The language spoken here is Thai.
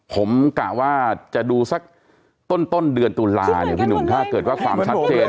ผมกะว่าจะดูสักต้นเดือนตุลาเนี่ยพี่หนุ่มถ้าเกิดว่าความชัดเจน